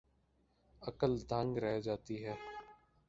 عقل دنگ رہ جاتی ہے۔